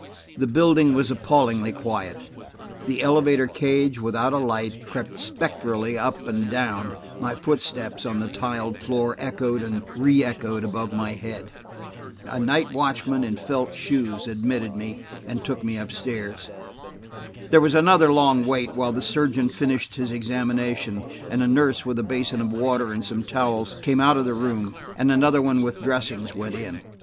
The building was appallingly quiet. The elevator cage, without a light, crept spectrally up and down; my footsteps on the tiled floor echoed and reëchoed above my head. A night watchman, in felt shoes, admitted me, and took me up stairs. There was another long wait while the surgeon finished his examination, and a nurse with a basin of water and some towels came out of the room, and another one with dressings went in.